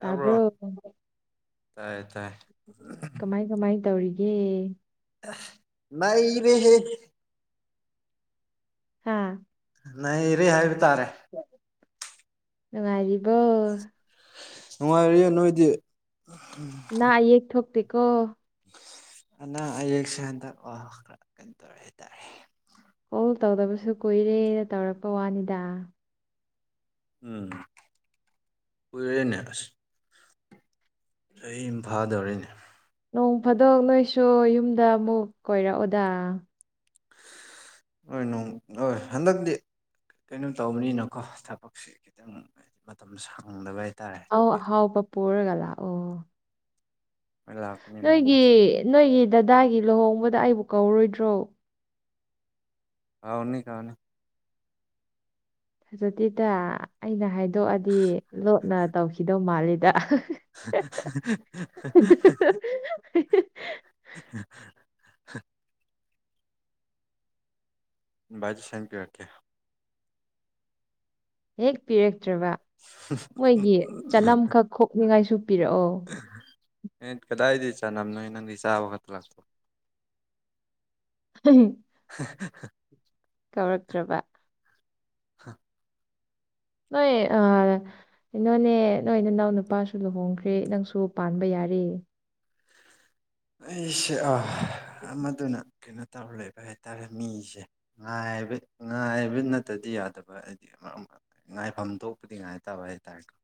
ꯇꯥꯕꯔꯣ ꯇꯥꯏꯌꯦ ꯇꯥꯏꯌꯦ ꯀꯃꯥꯏ ꯀꯃꯥꯏ ꯇꯧꯔꯤꯒꯦ ꯅꯩꯔꯦꯍꯦ ꯍꯥꯥ ꯅꯩꯔꯦ ꯍꯥꯏꯕ ꯇꯥꯔꯦ ꯅꯨꯡꯉꯥꯏꯔꯤꯕꯣ ꯅꯨꯡꯉꯥꯏꯔꯤꯌꯦ ꯅꯣꯏꯗꯤ ꯑꯩ ꯌꯦꯛ ꯊꯣꯛꯇꯦ ꯀꯣ ꯑꯅꯥ ꯑꯌꯦꯛꯁꯦ ꯍꯟꯗꯛ ꯋꯥ ꯀꯩꯅ ꯇꯧꯔꯦ ꯍꯥꯏꯇꯥꯔꯦ ꯀꯣꯜ ꯇꯧꯗꯕꯁꯨ ꯀꯨꯏꯔꯦꯅ ꯇꯧꯔꯛꯄ ꯋꯥꯅꯤꯗ ꯎꯝ ꯀꯨꯏꯔꯦꯅꯦ ꯑꯁ ꯆꯍꯤ ꯑꯃ ꯐꯥꯗꯧꯔꯤꯅꯦ ꯅꯣꯡ ꯐꯥꯗꯣꯛ ꯅꯣꯏꯁꯨ ꯌꯨꯝꯗ ꯑꯃꯨꯛ ꯀꯣꯏꯔꯛꯎꯗ ꯍꯣꯏ ꯅꯣꯡ ꯍꯣꯏ ꯍꯟꯗꯛꯇꯤ ꯀꯩꯅꯣ ꯇꯧꯕꯅꯤꯅꯀꯣ ꯊꯕꯛꯁꯤ ꯈꯤꯇꯪ ꯃꯇꯝ ꯁꯪꯗꯕꯩ ꯑꯧ ꯑꯍꯥꯎꯕ ꯄꯨꯔꯒ ꯂꯥꯛꯑꯣ ꯂꯥꯛ ꯅꯣꯏꯒꯤ ꯅꯣꯏꯒꯤ ꯗꯗꯥꯒꯤ ꯂꯨꯍꯣꯡꯕꯗ ꯑꯩꯕꯨ ꯀꯧꯔꯣꯏꯗ꯭ꯔꯣ ꯀꯥꯎꯅꯤ ꯀꯥꯎꯅꯤ ꯑꯗꯨꯗꯤꯗ ꯑꯩꯅ ꯍꯥꯏꯗꯣꯛꯑꯗꯤ ꯂꯣꯠꯅ ꯇꯧꯈꯤꯗꯧ ꯃꯥꯜꯂꯤꯗ [unintelligible] ꯏꯟꯚꯥꯏꯠꯇꯤꯁꯟ ꯄꯤꯔꯛꯀꯦ ꯍꯦꯛ ꯄꯤꯔꯛꯇ꯭ꯔꯕ ꯃꯣꯏꯒꯤ ꯆꯅꯝꯈꯛ ꯈꯣꯛꯅꯤꯡꯉꯥꯏꯁꯨ ꯄꯤꯔꯛꯑꯣ ꯑꯦ ꯀꯗꯥꯏꯗꯩ ꯆꯅꯝꯅꯣ ꯅꯪꯗꯤ ꯆꯥꯕꯈꯠꯇ ꯂꯥꯛ [unintelligible] [unintelligible] ꯀꯧꯔꯛꯇ꯭ꯔꯕ ꯍꯥ ꯅꯣꯏ ꯑ ꯀꯩꯅꯣꯅꯦ ꯅꯣꯏ ꯅꯅꯥꯎ ꯅꯨꯄꯥꯁꯨ ꯂꯨꯍꯣꯡꯈ꯭ꯔꯦ ꯅꯪꯁꯨ ꯄꯥꯟꯕ ꯌꯥꯔꯦ ꯑꯩꯁꯦ ꯑ ꯑꯃꯗꯨꯅ ꯀꯩꯅꯣ ꯇꯧꯔ ꯂꯩꯕ ꯍꯥꯏꯇꯥꯔꯦ ꯃꯤꯁꯦ ꯉꯥꯏ ꯍꯥꯏꯕ ꯉꯥꯏ ꯍꯥꯏꯕ ꯅꯠꯇꯗꯤ ꯌꯥꯗꯕ ꯍꯥꯏꯗꯤ ꯑꯃ ꯉꯥꯏꯐꯝ ꯊꯣꯛꯄꯗꯤ ꯉꯥꯏꯇꯕ ꯍꯥꯏꯇꯥꯔꯦꯀꯣ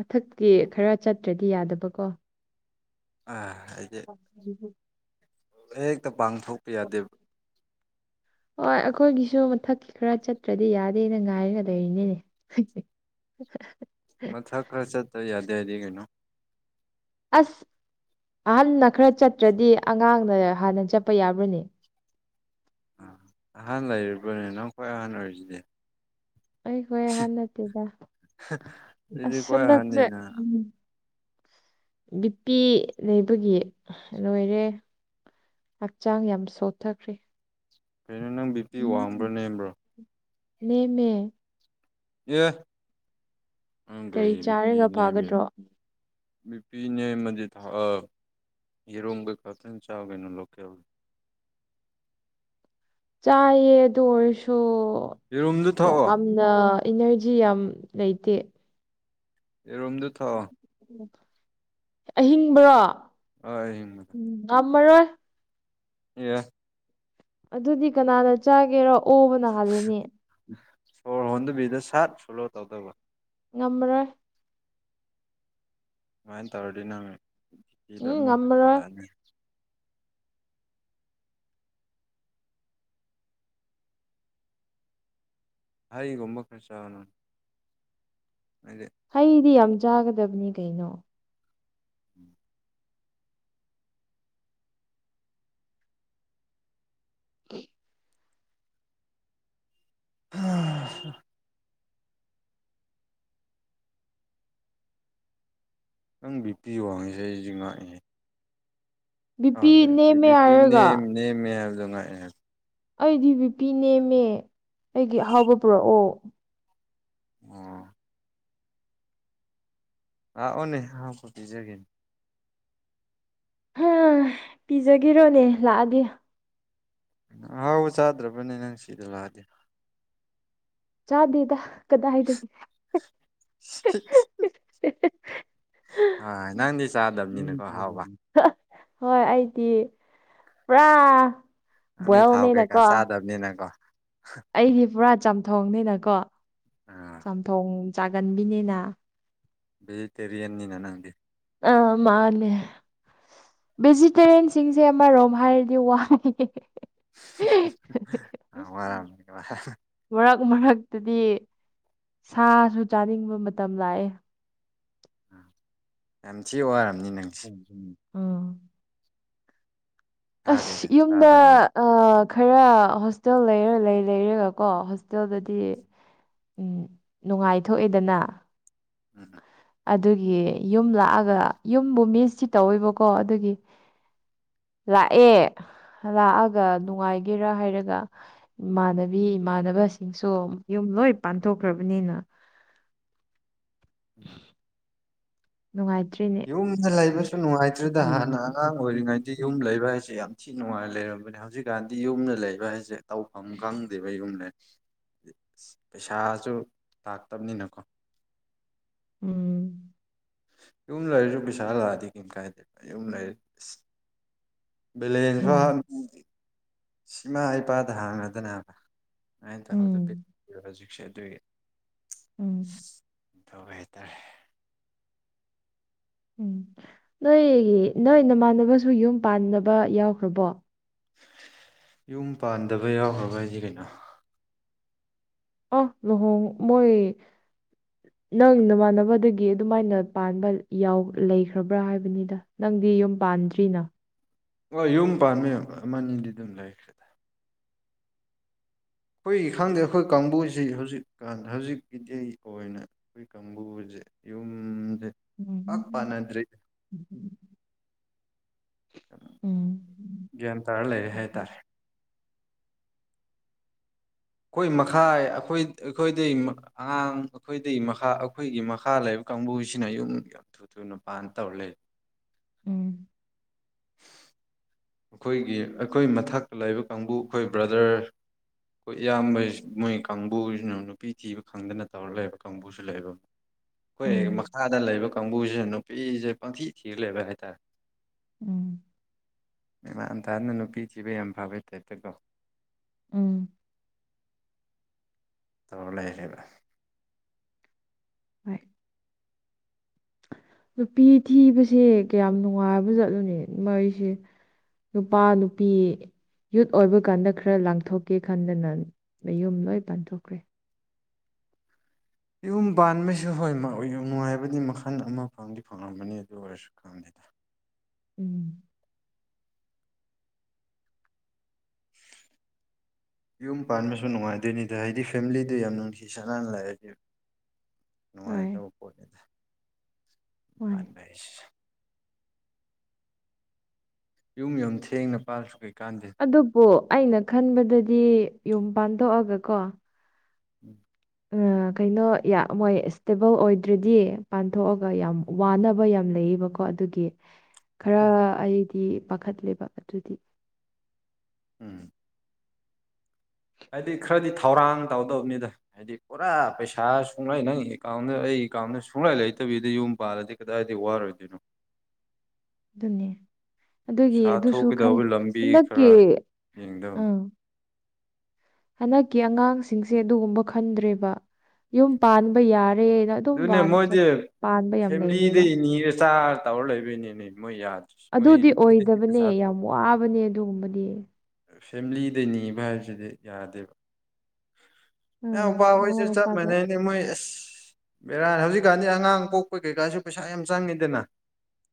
ꯃꯊꯛꯀꯤ ꯈꯔ ꯆꯠꯇ꯭ꯔꯗꯤ ꯌꯥꯗꯕꯀꯣ ꯑ ꯍꯥꯏꯗꯤ [inaudible] ꯍꯦꯛꯇ ꯄꯥꯡꯊꯣꯛꯄ ꯌꯥꯗꯦꯕ ꯍꯣꯏ ꯑꯩꯈꯣꯏꯒꯤꯁꯨ ꯃꯊꯛꯀꯤ ꯈꯔ ꯆꯠꯇ꯭ꯔꯗꯤ ꯌꯥꯗꯦꯅ ꯉꯥꯏꯔꯒ ꯂꯩꯔꯤꯅꯤꯅꯦ [inaudible] ꯃꯊꯛ ꯈꯔ ꯆꯠꯇ ꯌꯥꯗꯦ ꯍꯥꯏꯗꯤ ꯀꯩꯅꯣ ꯑꯁ ꯑꯍꯜ ꯈꯔ ꯆꯠꯇ꯭ꯔꯗꯤ ꯑꯉꯥꯡꯅ ꯍꯥꯟꯅ ꯆꯠꯄ ꯌꯥꯕ꯭ꯔꯅꯦ ꯑ ꯑꯍꯥꯟ ꯂꯩꯔꯤꯕꯅꯦ ꯅꯪ ꯈ꯭ꯋꯥꯏ ꯑꯍꯥꯟ ꯑꯣꯏꯔꯤꯁꯤꯗꯤ ꯑꯩ ꯈ꯭ꯋꯥꯏ ꯑꯍꯟ ꯅꯠꯇꯦꯗ ꯑꯗꯨꯗꯤ ꯑꯁ ꯈ꯭ꯋꯥꯏ ꯁꯟꯗꯛꯁꯦ ꯑꯍꯟꯅꯤꯅ ꯕꯤꯄꯤ ꯂꯩꯕꯒꯤ ꯂꯣꯏꯔꯦ ꯍꯛꯆꯥꯡ ꯌꯥꯝ ꯁꯣꯛꯊꯈ꯭ꯔꯦ ꯀꯩꯅꯣ ꯅꯪ ꯕꯤꯄꯤ ꯋꯥꯡꯕ꯭ꯔꯣ ꯅꯦꯝꯕ꯭ꯔꯣ ꯅꯦꯃꯦ ꯌꯦ ꯀꯔꯤ ꯆꯥꯔꯒ ꯐꯥꯒꯗ꯭ꯔꯣ ꯅꯨꯄꯤꯅꯦ ꯑꯃꯗꯤ ꯌꯦꯔꯣꯡ ꯀꯩ ꯈꯥꯛꯇꯪ ꯆꯥꯒꯩꯅꯣ ꯂꯣꯀꯦꯜ ꯆꯥꯏꯌꯦ ꯑꯗꯨ ꯑꯣꯏꯔꯁꯨ ꯌꯦꯔꯨꯝꯗꯨ ꯊꯛꯑꯣ ꯌꯥꯝ ꯅ ꯏꯅꯔꯖꯤ ꯌꯥꯝ ꯂꯩꯇꯦ ꯑꯦꯔꯣꯝꯗ ꯑꯍꯤꯡꯕꯔꯣ ꯍꯣꯏ ꯉꯝꯃꯔꯣꯏ ꯌꯦ ꯑꯗꯨꯗꯤ ꯀꯅꯥꯅ ꯆꯥꯒꯦꯔ ꯑꯣꯕꯅ ꯍꯥꯜꯂꯅꯤ ꯁꯣꯔ ꯍꯣꯟꯗꯕꯤꯗ ꯁꯠ ꯐꯣꯂꯣ ꯇꯧꯗꯧꯕ ꯉꯝꯃꯔꯣꯏ ꯑꯗꯨꯨꯃꯥꯏꯅ ꯇꯧꯔꯗꯤ ꯅꯪ ꯆꯤꯇꯤꯗ ꯎꯝ ꯑꯃꯨꯛ ꯉꯝꯃꯔꯣꯏ ꯍꯟꯒꯠꯂꯛꯑꯅꯤ ꯍꯒꯨꯝꯝꯕ ꯈꯔꯁꯒꯅ ꯑꯗꯨꯗꯦ ꯃꯤꯗꯤ ꯌꯥꯝ ꯆꯥꯒꯗꯕꯅꯤ ꯀꯩꯅꯣ ꯎꯝ [unintelligible] ꯎꯝ ꯅꯪ ꯕꯤ ꯄꯤ ꯋꯥꯡꯉꯤꯁꯦ ꯑꯩꯁꯤ ꯉꯥꯛꯏꯉꯦ ꯕꯤ ꯄꯤ ꯅꯦꯝꯃꯦ ꯑꯕꯤꯄꯤ ꯍꯥꯏꯔꯒ ꯅꯦꯝ ꯅꯦꯝ ꯍꯥꯏꯕꯗꯣ ꯉꯛꯑꯦ꯫ ꯑꯩꯗꯤ ꯕꯤꯄꯤ ꯅꯦꯝꯃꯦ ꯑꯩꯒꯤ ꯑꯍꯥꯎꯕ ꯄꯨꯔꯛꯑꯣ ꯑꯣ ꯑ ꯑꯣꯅꯦ ꯍ ꯀꯣꯄꯤꯤꯖꯒꯅꯤ ꯍꯥ ꯄꯤꯖꯒꯤꯔꯣꯅꯦ ꯂꯥꯛꯑꯗꯤ ꯑꯍꯥꯎꯕ ꯆꯥꯗ꯭ꯔꯕꯅꯦ ꯅꯪ ꯁꯤꯗ ꯂꯥꯛꯑꯗꯤ ꯆꯥꯗꯦꯗ ꯀꯗꯥꯏꯗꯣꯏ ꯑ ꯅꯪꯗꯤ ꯆꯥꯗꯕꯅꯤꯅꯒꯣ ꯍꯥꯎꯕ ꯍꯣꯏ ꯑꯩꯗꯤ ꯄꯨꯔꯥ ꯅꯪꯗꯤ ꯊꯥꯎ ꯀꯩꯀꯥ ꯕꯣꯏꯜꯅꯦꯅꯀꯣ ꯆꯥꯗꯕꯅꯤꯅ ꯀꯣ ꯑꯩꯗꯤ ꯄꯨꯔꯥ ꯆꯥꯝꯊꯣꯡꯅꯤꯅꯀꯣ [inaudible] ꯆꯥꯝꯊꯣꯡ ꯆꯥꯒꯟꯕꯤꯅꯤꯅ ꯚꯦꯖꯤꯇꯦꯔꯤꯌꯥꯟꯅꯤꯅ ꯅꯪꯗꯤ ꯑ ꯃꯥꯟꯅꯦ ꯚꯦꯖꯤꯇꯦꯔꯤꯌꯟꯁꯤꯡꯁꯦ ꯑꯃꯔꯣꯝ ꯍꯥꯏꯔꯗꯤ ꯋꯥ [unintelligible] ꯑ ꯋꯥꯔꯝ [unintelligible] ꯃꯔꯛ ꯃꯔꯛꯇꯗꯤ ꯁꯥꯁꯨ ꯆꯥꯅꯤꯡꯕ ꯃꯇꯝ ꯂꯥꯛꯑꯦ ꯑꯥ ꯌꯥꯝ ꯊꯤ ꯋꯥꯔꯕꯅꯤ ꯅꯪ [unintelligible] ꯁꯥ ꯑꯁ ꯀꯩꯀꯥ ꯌꯨꯝꯗ ꯆꯥꯗꯕꯅꯤꯅ ꯑꯥ ꯈꯔ ꯍꯣꯁꯇꯦꯜ ꯂꯩꯔ ꯂꯩ ꯂꯩꯔꯦꯒꯀꯣ ꯍꯣꯁꯇꯦꯜꯗꯗꯤ ꯎꯝ ꯅꯨꯡꯉꯥꯏꯊꯣꯛꯑꯦꯗꯅ ꯎꯝ ꯑꯗꯨꯒꯤ ꯌꯨꯝ ꯂꯥꯛꯑꯒ ꯌꯨꯝꯕꯨ ꯃꯤꯁꯇꯤ ꯇꯧꯋꯦꯕꯀꯣ ꯑꯗꯨꯒꯤ ꯂꯥꯛꯑꯦ ꯂꯥꯛꯑꯒ ꯎꯝ ꯅꯨꯡꯉꯥꯏꯒꯦ ꯍꯥꯏꯔ ꯍꯥꯏꯔꯒ ꯏꯃꯥꯟꯅꯕꯤ ꯏꯃꯥꯟꯅꯕꯁꯤꯡꯁꯨ ꯌꯨꯝ ꯂꯣꯏ ꯄꯥꯟꯊꯣꯛꯈ꯭ꯔꯕꯅꯤꯅ ꯎꯝ [inaudible] ꯅꯨꯡꯉꯥꯏꯇ꯭ꯔꯤ ꯌꯨꯝꯗ ꯂꯩꯕꯁꯨ ꯅꯨꯡꯉꯥꯏꯇ꯭ꯔꯦꯗ ꯍꯥꯟꯅ ꯑꯉꯥꯡ ꯑꯣꯏꯔꯤꯉꯩꯗꯤ ꯌꯨꯝ ꯂꯩꯕ ꯍꯥꯏꯁꯦ ꯌꯥꯝ ꯊꯤ ꯅꯨꯡꯉꯥꯏ ꯂꯩꯔꯝꯕꯅꯦ ꯍꯧꯖꯤꯛꯀꯥꯟꯗꯤ ꯌꯨꯝꯗ ꯂꯩꯕ ꯍꯥꯏꯁꯦ ꯇꯧꯐꯝ ꯈꯪꯗꯦꯕ ꯌꯨꯝꯗ ꯑ ꯄꯩꯁꯥꯁꯨ ꯂꯥꯛꯇꯕꯅꯤꯅꯀꯣ ꯎꯝ ꯌꯨꯝ ꯂꯩꯔꯁꯨ ꯄꯩꯁꯥ ꯂꯥꯛꯑꯗꯤ ꯀꯩꯝ ꯀꯥꯏꯗꯦꯕ ꯌꯨꯝ ꯂꯩꯔ ꯑꯁ ꯎꯝ ꯕꯦꯂꯦꯟꯐꯥꯎ ꯏꯃꯥ ꯏꯄꯥꯗ ꯍꯥꯡꯉꯗꯅꯕ ꯑꯩꯅ ꯇꯗ ꯎꯝ [inaudible] ꯍꯧꯖꯤꯛꯁꯦ ꯑꯗꯨꯒꯤ ꯎꯝ ꯇꯧꯋꯦ ꯍꯥꯏꯇꯔꯦ ꯎꯝ ꯅꯣꯏ ꯅꯣꯏ ꯅꯃꯥꯟꯅꯕꯁꯨ ꯌꯨꯝ ꯄꯥꯟꯅꯕ ꯌꯥꯎꯈ꯭ꯔꯕꯣ ꯌꯨꯝ ꯄꯥꯟꯗꯕ ꯌꯥꯎꯈ꯭ꯔꯕ ꯍꯥꯏꯗꯤ ꯀꯩꯅꯣ ꯑꯣ ꯂꯨꯍꯣꯡ ꯃꯣꯏ ꯅꯪ ꯅꯃꯥꯟꯅꯕꯗꯒꯤ ꯑꯗꯨꯃꯥꯏꯅ ꯄꯥꯟꯕ ꯌꯥꯎ ꯂꯩꯈ꯭ꯔꯕ꯭ꯔꯥ ꯍꯥꯏꯕꯅꯤꯗ ꯅꯪꯗꯤ ꯌꯨꯝ ꯄꯥꯟꯗ꯭ꯔꯤꯅ ꯍꯣꯏ ꯌꯨꯝ ꯄꯥꯟꯕꯥ ꯌꯥꯝ ꯑꯃ ꯅꯤꯗꯤ ꯑꯗꯨꯝ ꯂꯩꯈ꯭ꯔꯦꯗ ꯈꯣꯏꯒꯤ ꯈꯪꯗꯦ ꯈꯣꯏ ꯀꯥꯡꯕꯨꯁꯤ ꯍꯧꯖꯤꯛꯀꯥꯟ ꯍꯧꯖꯤꯛꯀꯤꯗꯤ ꯑꯣꯏꯅ ꯑꯩꯈꯣꯏ ꯀꯥꯡꯕꯨꯁꯦ ꯌꯨꯝꯁꯦ ꯄꯥꯛ ꯄꯥꯟꯅꯗ꯭ꯔꯤ [inaudible] [inaudible] ꯎꯝ ꯒ꯭ꯌꯥꯟ ꯇꯥꯔ ꯂꯩꯔꯦ ꯍꯥꯏꯇꯥꯔꯦ ꯈꯣꯏ ꯃꯈꯥꯏ ꯑꯩꯈꯣꯏ ꯑꯩꯈꯣꯏꯗꯩꯩ ꯑꯉꯥꯡ ꯑꯩꯈꯣꯏꯗꯩꯩ ꯃꯈꯥ ꯑꯩꯈꯣꯏꯒꯤ ꯃꯈꯥ ꯂꯩꯕ ꯀꯥꯡꯕꯨꯁꯤꯅ ꯌꯨꯝ ꯊꯨ ꯊꯨꯅ ꯄꯥꯟ ꯇꯧ ꯂꯩꯔꯦ ꯎꯝ ꯑꯈꯣꯏꯒꯤ ꯑꯩꯈꯣꯏ ꯃꯊꯛꯇ ꯂꯩꯕ ꯀꯥꯡꯕꯨ ꯈꯣꯏ ꯕ꯭ꯔꯗꯔ ꯈꯣꯏ ꯏꯌꯥꯝꯕꯩ ꯃꯣꯏ ꯀꯥꯡꯕꯨꯁꯤꯅ ꯅꯨꯄꯤ ꯊꯤꯕ ꯈꯪꯗꯅ ꯇꯧꯔ ꯂꯩꯕ ꯀꯥꯡꯕꯨ ꯕꯨꯁꯨ ꯂꯩꯕ ꯈꯣꯏ ꯎꯝ ꯃꯈꯥꯗ ꯂꯩꯕ ꯀꯥꯡꯕꯨꯁꯤꯅ ꯅꯨꯄꯤꯁꯦ ꯄꯪꯊꯤ ꯊꯤꯔ ꯂꯩꯕ ꯍꯥꯏꯇꯥꯔꯦ ꯎꯝ ꯃꯥꯟꯇꯥꯅ ꯅꯨꯄꯤ ꯊꯤꯕ ꯌꯥꯝ ꯐꯕꯩ ꯇꯥꯏꯞꯇꯀꯣ ꯎꯝ ꯇꯧꯔ ꯂꯩꯔꯦꯕ ꯍꯣꯏ ꯅꯨꯄꯤ ꯊꯤꯕꯁꯦ ꯀꯌꯥꯝ ꯅꯨꯡꯉꯥꯏꯕ ꯖꯠꯅꯣꯅꯦ ꯃꯩꯁꯦ ꯅꯨꯄꯥ ꯅꯨꯄꯤ ꯌꯨꯠ ꯑꯣꯏꯕ ꯀꯥꯟꯗ ꯈꯔ ꯂꯥꯡꯊꯣꯛꯀꯦ ꯈꯟꯗꯅ ꯃꯌꯨꯝ ꯂꯣꯏ ꯄꯥꯟꯊꯣꯛꯈ꯭ꯔꯦ ꯌꯨꯝ ꯄꯥꯟꯕꯩꯁꯨ ꯍꯣꯏ ꯅꯨꯡꯉꯥꯏꯕꯗꯤ ꯃꯈꯜ ꯑꯃ ꯐꯪꯗꯤ ꯐꯪꯉꯝꯕꯅꯤ ꯑꯗꯨ ꯑꯣꯏꯔ ꯝ ꯎꯝ [inaudible] ꯌꯨꯝ ꯄꯥꯟꯕꯁꯨ ꯅꯨꯡꯉꯥꯏꯗꯣꯏꯅꯤꯗ ꯍꯥꯏꯗꯤ ꯐꯦꯃꯤꯂꯤꯗꯨꯣ ꯌꯥꯝ ꯅꯨꯡꯁꯤ ꯆꯥꯟꯅꯅ ꯂꯩꯔꯗꯤ ꯍꯣꯏ ꯅꯨꯡꯉꯥꯏꯈ꯭ꯔꯕ ꯄꯣꯠꯅꯤꯗ ꯃꯥꯅꯦ ꯄꯥꯟꯕ ꯍꯥꯏꯁꯤꯁꯨ ꯌꯨꯝ ꯌꯥꯝ ꯊꯦꯡꯅ ꯄꯥꯜꯁꯨ ꯀꯩꯀꯥꯟꯗꯦ ꯑꯗꯨꯕꯨ ꯑꯩꯅ ꯈꯟꯕꯗꯗꯤ ꯌꯨꯝ ꯄꯥꯟꯗꯣꯛꯑꯒ ꯀꯣ ꯎꯝ ꯀꯩꯅꯣ ꯃꯣꯏ ꯏꯁꯇꯦꯕꯜ ꯑꯣꯏꯗ꯭ꯔꯗꯤ ꯄꯥꯟꯊꯣꯛꯑꯒ ꯌꯥꯝ ꯋꯥꯅꯕ ꯌꯥꯝ ꯂꯩꯌꯦꯕꯀꯣ ꯑꯗꯨꯒꯤ ꯈꯔ ꯎꯝ ꯑꯩꯗꯤ ꯄꯥꯈꯠꯂꯦꯕ ꯑꯗꯨꯗꯤ ꯎꯝ ꯍꯥꯏꯗꯤ ꯈꯔꯗꯤ ꯊꯧꯔꯥꯡ ꯇꯧꯗꯕꯅꯤꯗ ꯍꯥꯏꯗꯤ ꯄꯨꯔꯥ ꯄꯩꯁꯥ ꯁꯨꯡꯂꯩ ꯅꯪ ꯑꯦꯀꯥꯎꯟꯗ ꯑꯩ ꯑꯦꯀꯥꯎꯟꯗ ꯁꯨꯡꯂꯩ ꯂꯩꯇꯕꯤꯗ ꯌꯨꯝ ꯄꯥꯔꯗꯤ ꯀꯗꯥꯏꯗꯤ ꯋꯥꯔꯣꯏꯗꯣꯏꯅꯣ ꯑꯗꯨꯅꯦ ꯑꯗꯨꯒꯤ ꯄꯩꯁꯥ ꯑꯗꯨꯁꯨ ꯊꯣꯛꯀꯗꯧꯕ ꯂꯝꯕꯤ ꯍꯟꯗꯛꯀꯤ ꯈꯔ ꯌꯦꯡꯗꯕꯅꯤ ꯑꯪ ꯍꯟꯗꯛꯀꯤ ꯑꯉꯥꯡꯁꯤꯡꯁꯦ ꯑꯗꯨꯒꯨꯝꯕ ꯈꯟꯗ꯭ꯔꯦꯕ ꯌꯨꯝ ꯄꯥꯟꯕ ꯌꯥꯔꯦꯅ ꯑꯗꯨꯝ ꯑꯗꯨꯅꯦ ꯄꯥꯟꯕ ꯌꯥꯝ ꯂꯩꯔꯦꯕ ꯃꯤꯔꯁꯥ ꯇꯧꯔ ꯂꯩꯕꯩꯅꯤꯅꯦ ꯃꯣꯏ ꯌꯥꯗꯦ ꯑꯗꯨꯗꯤ ꯑꯣꯏꯗꯕꯅꯦ ꯌꯥꯝ ꯋꯥꯕꯅꯦ ꯑꯗꯨꯒꯨꯝꯕꯗꯤ ꯐꯦꯃꯤꯂꯤꯗ ꯅꯤꯕ ꯍꯥꯏꯕꯁꯤꯗꯤ ꯌꯥꯗꯦꯕ ꯑ ꯑꯥ ꯎ ꯄ ꯃꯃꯥ ꯍꯣꯏꯁꯨ ꯆꯞ ꯃꯄꯥꯗ ꯃꯥꯟꯅꯩꯅꯦ ꯃꯣꯏ ꯑꯁ ꯕꯦꯔꯥ ꯍꯧꯖꯤꯛꯀꯥꯟꯗꯤ ꯑꯉꯥꯡ ꯄꯣꯛꯄ ꯀꯩꯀꯥꯁꯨ ꯄꯩꯁꯥ ꯌꯥꯝ ꯆꯪꯉꯤꯗꯅ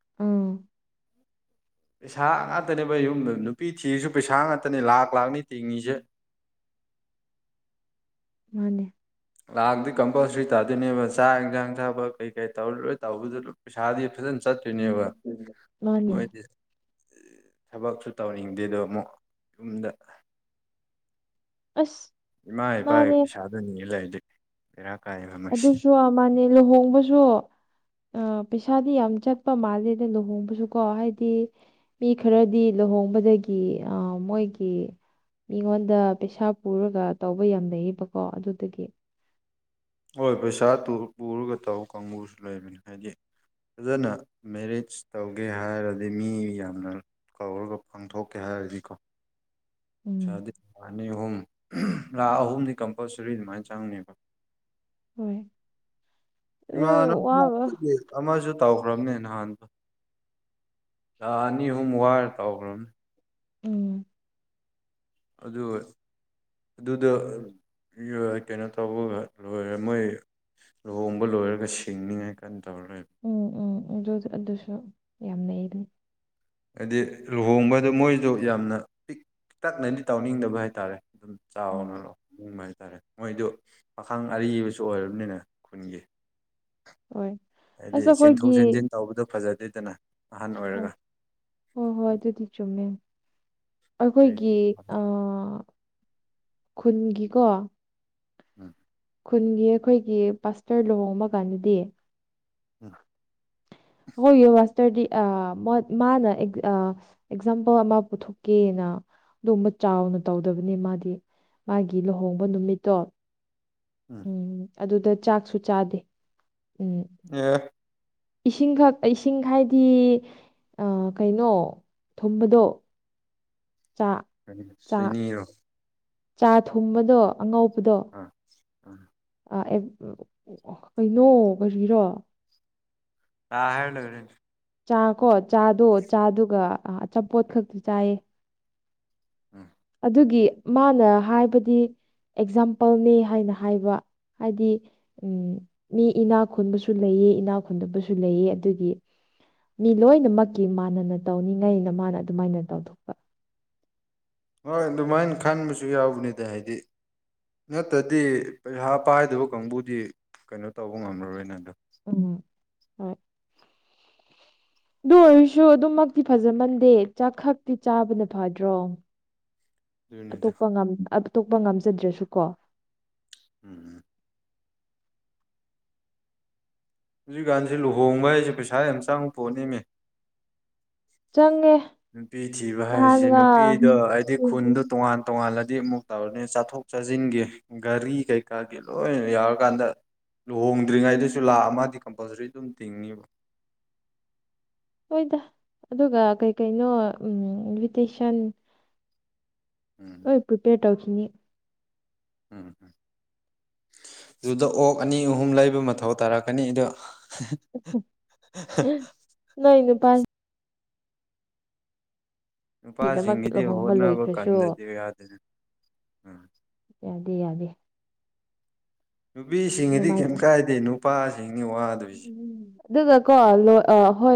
ꯎꯝ ꯫ ꯄꯩꯁꯥ ꯉꯥꯛꯇꯅꯦꯕ ꯌꯨꯝꯗ ꯅꯨꯄꯤ ꯊꯤꯔꯁꯨ ꯄꯩꯁꯥ ꯉꯥꯛꯇꯅꯦ ꯂꯥꯛ ꯂꯥꯛꯅꯤ ꯇꯤꯡꯉꯤꯁꯦ ꯃꯥꯅꯦ ꯂꯥꯛꯗꯤ ꯀꯝꯄꯜꯁꯔꯤ ꯇꯥꯗꯣꯏꯅꯦꯕ ꯆꯥꯛ ꯌꯦꯟꯁꯥꯡ ꯊꯥꯕ ꯀꯩ ꯀꯩ ꯇꯧꯔꯔꯣꯏ ꯇꯧꯕꯗꯨ ꯄꯩꯁꯥꯗꯤ ꯐꯖꯅ ꯆꯠꯇ꯭ꯣꯏꯅꯦꯕ ꯃꯥꯅꯦ ꯃꯣꯏꯗꯤ ꯊꯕꯛꯁꯨ ꯇꯧꯅꯤꯡꯗꯦꯗꯣ ꯑꯃꯨꯛ ꯌꯨꯝꯗ ꯑꯁ ꯏꯃꯥ ꯏꯄꯥꯒꯤ ꯃꯥꯅꯦ ꯄꯩꯁꯥꯗꯨꯅꯤꯉ ꯂꯩꯗꯤꯦ ꯕꯦꯔꯥ ꯀꯥꯏꯕ ꯑꯗꯨꯁꯨ ꯃꯥꯅꯦ ꯂꯨꯍꯣꯡꯕꯁꯨ ꯑ ꯄꯩꯁꯥꯗꯤ ꯌꯥꯝ ꯆꯠꯄ ꯃꯥꯜꯂꯦꯗ ꯂꯨꯍꯣꯡꯕꯁꯨ ꯀꯣ ꯍꯥꯏꯗꯤ ꯃꯤ ꯈꯔꯗꯤ ꯂꯨꯍꯣꯡꯕꯗꯒꯤ ꯑ ꯃꯣꯏꯒꯤ ꯃꯤꯉꯣꯟꯗ ꯄꯩꯁꯥ ꯄꯨꯔꯒ ꯇꯧꯕ ꯌꯥꯝ ꯂꯩꯩꯌꯦꯕꯀꯣ ꯑꯗꯨꯗꯒꯤ ꯍꯣꯏ ꯄꯩꯁꯥ ꯄꯨꯔꯒ ꯇꯧ ꯀꯥꯡꯕꯨꯁꯨ ꯂꯩꯕꯅꯤ ꯍꯥꯏꯗꯤ ꯐꯖꯅ ꯃꯦꯔꯤꯖ ꯇꯧꯒꯦ ꯍꯥꯏꯔꯗꯤ ꯃꯤ ꯌꯥꯝꯅ ꯀꯧꯔꯒ ꯄꯥꯡꯊꯣꯛꯀꯦ ꯍꯥꯏꯔꯗꯤꯀꯣ ꯎꯝ ꯗꯤ ꯂ ꯑꯅꯤ ꯑꯍꯨꯝ ꯂꯥꯛ ꯑꯍꯨꯝꯗꯤ ꯀꯝꯄꯜꯁꯔꯤ ꯑꯗꯨꯃꯥꯏꯅ ꯆꯪꯅꯦꯕ ꯍꯣꯏ ꯏ ꯎꯝ ꯋꯥꯕ ꯑꯃꯁꯨ ꯇꯧꯈ꯭ꯔꯕꯅꯦ ꯅꯍꯥꯟꯗ ꯊꯥ ꯑꯅꯤ ꯑꯍꯨꯝ ꯋꯥꯏꯔ ꯇꯧꯈ꯭ꯔꯕꯅꯦ ꯎꯝ ꯑꯗꯨ ꯑꯗꯨꯗꯣ ꯀꯩꯅꯣ ꯇꯧꯕ ꯂꯣꯏꯔꯦ ꯃꯣꯏ ꯂꯨꯍꯣꯡꯕ ꯂꯣꯏꯔꯒ ꯁꯤꯡꯅꯤꯡꯉꯥꯏ ꯀꯟꯅ ꯇꯧꯔ ꯂꯩꯣꯏꯕ ꯎꯝ ꯎꯝ ꯑꯗꯨ ꯑꯗꯨꯁꯨ ꯌꯥꯝꯅꯩ ꯑꯗꯨꯝ ꯍꯥꯏꯗꯤ ꯂꯨꯍꯣꯡꯕꯗꯣ ꯃꯣꯏꯁꯨ ꯌꯥꯝꯅ ꯄꯤꯛꯇꯛꯅꯗꯤ ꯇꯥꯎꯅꯤꯡꯗꯕ ꯍꯥꯏꯇꯥꯔꯦ ꯑꯗꯨꯝ ꯆꯥꯎꯅ ꯎꯝ ꯂꯣ ꯍꯪꯕ ꯍꯥꯏꯇꯥꯔꯦ ꯃꯣꯏꯗꯨ ꯄꯥꯈꯪ ꯑꯔꯤꯕꯁꯨ ꯑꯣꯏꯔꯕꯅꯤꯅꯦ ꯈꯨꯟꯒꯤ ꯍꯣꯏ ꯍꯥꯏꯗꯤ ꯑꯁ ꯆꯦꯟꯊꯣꯛ ꯑꯩꯈꯣꯏꯒꯤ ꯆꯦꯟꯁꯤꯟ ꯇꯧꯕꯗꯣ ꯐꯖꯗꯦꯗꯅ ꯑꯍꯟ ꯍꯣꯏ ꯑꯣꯏꯔꯒ ꯍꯣꯏ ꯍꯣꯏ ꯎꯝ ꯑꯗꯨꯗꯤ ꯆꯨꯝꯃꯦ ꯑꯩꯈꯣꯏꯒꯤ ꯑ ꯈꯨꯟꯒꯤꯀꯣ ꯎꯝ ꯈꯨꯟꯒꯤ ꯑꯩꯈꯣꯏꯒꯤ ꯄꯥꯁꯇꯔ ꯂꯨꯍꯣꯡꯕ ꯀꯥꯟꯗꯗꯤ ꯎꯝ ꯍꯌꯦꯕꯁ ꯏꯁꯇꯔꯗꯤ ꯑ ꯃꯥꯅ ꯑꯦꯛꯖꯥꯝꯄꯜ ꯑꯃ ꯄꯨꯊꯣꯛꯀꯦꯅ ꯑꯗꯨꯒꯨꯝꯕ ꯆꯥꯎꯅ ꯇꯧꯗꯕꯅꯤ ꯃꯥꯗꯤ ꯃꯥꯒꯤ ꯂꯨꯍꯣꯡꯕ ꯅꯨꯃꯤꯠꯇꯣ ꯎꯝ ꯑꯗꯨꯗ ꯆꯥꯛꯁꯨ ꯆꯥꯗꯦ ꯎꯝ ꯌꯦ ꯏꯁꯤꯡꯈꯛ ꯏꯁꯤꯡ ꯍꯥꯏꯗꯤ ꯀꯩꯅꯣ ꯊꯨꯝꯕꯗꯣ ꯆꯥꯛ ꯁꯤꯅꯤꯔꯣ ꯆꯥ ꯊꯨꯝꯕꯗꯣ ꯑꯉꯧꯕꯗꯣ ꯎꯝ ꯎꯝ ꯀꯩꯅꯣ ꯀꯔꯤꯔꯣ ꯇꯥ ꯍꯥꯏꯦꯟ ꯆꯥꯀꯣ ꯆꯥꯗꯣ ꯆꯥꯗꯨꯒ ꯑꯆꯥꯄꯣꯠ ꯈꯛꯇꯤ ꯆꯥꯏꯌꯦ ꯎꯝ ꯑꯗꯨꯒꯤ ꯃꯥꯅ ꯍꯥꯏꯕꯗꯤ ꯑꯦꯛꯖꯥꯝꯄꯜꯅꯤ ꯍꯥꯏꯅ ꯍꯥꯏꯕ ꯍꯥꯏꯗꯤ ꯎꯝ ꯃꯤ ꯏꯅꯥ ꯈꯨꯣꯟꯕꯁꯨ ꯂꯩꯑ ꯏꯅꯥ ꯈꯨꯨꯟꯗꯕꯁꯨ ꯂꯩꯑ ꯑꯗꯨꯒꯤ ꯃꯤ ꯂꯣꯏꯅꯃꯛꯀꯤ ꯃꯥꯟꯅꯅ ꯇꯧꯅꯤꯡꯉꯩꯅ ꯃꯥꯅ ꯑꯗꯨꯃꯥꯏꯅ ꯇꯧꯊꯣꯛꯄ ꯍꯣꯏ ꯑꯗꯨꯃꯥꯏꯅ ꯈꯟꯕꯁꯨ ꯌꯥꯎꯕꯅꯤꯗ ꯍꯥꯏꯗꯤ ꯅꯠꯇꯗꯤ ꯄꯩꯁꯥ ꯄꯥꯏꯗꯕ ꯀꯥꯡꯕꯨꯗꯤ ꯀꯩꯅꯣ ꯇꯧꯕ ꯉꯝꯃꯔꯣꯏꯅ ꯑꯗꯣ ꯎꯝ ꯍꯣꯏ ꯑꯗꯨ ꯑꯣꯏꯔꯁꯨ ꯑꯗꯨꯝꯃꯛꯇꯤ ꯐꯖꯃꯟꯗꯦ ꯆꯥꯛ ꯈꯛꯇꯤ ꯆꯥꯕꯅ ꯐꯗ꯭ꯔꯣ ꯑꯗꯨꯅꯤꯗ ꯑꯇꯣꯞꯄ ꯑꯇꯣꯞꯄ ꯉꯝꯖꯗ꯭ꯔꯁꯨ ꯀꯣ ꯎꯝ ꯎꯝ ꯍꯧꯖꯤꯛꯀꯥꯟꯁꯤꯦ ꯂꯨꯍꯣꯡꯕ ꯍꯥꯏꯁꯦ ꯄꯩꯁꯥ ꯌꯥꯝ ꯆꯪꯕ ꯄꯣꯠꯅꯤꯃꯦ ꯆꯪꯦ ꯅꯨꯄꯤ ꯊꯤꯕ ꯍꯥꯏꯁꯦ ꯅꯨꯄꯤꯗꯣ ꯍꯥꯏꯗꯤ ꯈꯨꯟꯗꯣ ꯇꯣꯉꯥꯟ ꯇꯣꯉꯥꯟꯜꯂꯗꯤ ꯑꯃꯨꯛ ꯇꯧꯔꯅꯤ ꯆꯠꯊꯣꯛ ꯆꯠꯁꯤꯟꯒꯤ ꯒꯥꯔꯤ ꯀꯩꯀꯥꯒꯤ ꯂꯣꯏꯅ ꯌꯥꯎꯔꯀꯥꯟꯗ ꯂꯨꯍꯣꯡꯗ꯭ꯔꯤꯉꯩꯗꯨꯁꯨ ꯂꯥꯛꯑ ꯃꯥꯗꯤ ꯀꯝꯄꯜꯁꯔꯤ ꯑꯗꯨꯝ ꯇꯤꯡꯅꯤꯕ ꯍꯣꯏꯗ ꯑꯗꯨꯒ ꯀꯩ ꯀꯩꯅꯣ ꯏꯟꯚꯤꯇꯦꯁꯟ ꯎꯝ ꯍꯣꯏ ꯄ꯭ꯔꯤꯄꯦꯌꯔ ꯇꯧꯈꯤꯅꯤ ꯎꯝ ꯎꯝ ꯑꯗꯨꯗ ꯑꯣꯛ ꯑꯅꯤ ꯑꯍꯨꯝ ꯂꯩꯕ ꯃꯊꯧ ꯇꯥꯔꯛꯀꯅꯤ ꯑꯗꯨꯗ ꯅ ꯅꯨ ꯄ ꯅꯨꯄꯥꯒꯤꯗꯃꯛ ꯅꯨꯄꯥꯁꯤꯡꯒꯤꯗꯤ ꯂꯨꯍꯣꯡꯕ ꯍꯣꯠꯅꯕ ꯂꯣꯏꯈ꯭ꯔꯁꯨ ꯀꯟꯗꯗꯤ ꯌꯥꯗꯅ ꯎꯝ ꯌꯥꯗꯦ ꯌꯥꯗꯦ ꯅꯨꯄꯤꯁꯤꯡꯗꯤ ꯀꯩꯝ ꯑꯗꯨꯃꯥꯏꯅ ꯀꯥꯏꯗꯦ ꯅꯨꯄꯥꯁꯤꯡ ꯅꯤ ꯋꯥꯗꯣꯏꯁꯦ ꯑꯗꯨꯗ ꯀꯣ ꯂꯣꯏ ꯍꯣꯏ